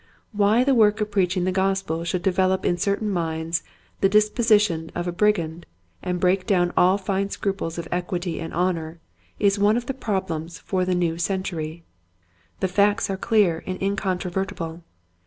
Why the work of preaching the Gospel should develop in certain minds the dis position of a brigand, and break down all fine scruples of equity and honor, is one of the problems for the new century. The facts are clear and incontrovertible.